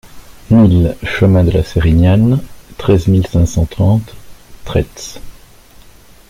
mille chemin de la Sérignane, treize mille cinq cent trente Trets